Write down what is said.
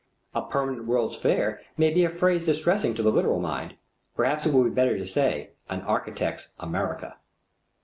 A "Permanent World's Fair" may be a phrase distressing to the literal mind. Perhaps it would be better to say "An Architect's America."